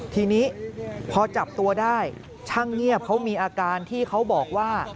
ทีนี้พอจับตัวได้ช่างเงียบเขามีอาการที่เขาบอกว่า